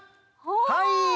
はい！